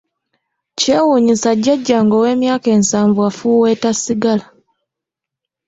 Kyewuunyisa jjajjange ow'emyaka ensavu afuuweeta ssigala.